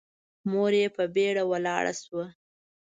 مور يې په بيړه ولاړه شوه.